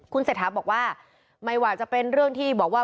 เศรษฐาบอกว่าไม่ว่าจะเป็นเรื่องที่บอกว่า